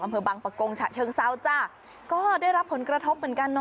อำเภอบังปะกงฉะเชิงเซาจ้ะก็ได้รับผลกระทบเหมือนกันเนอ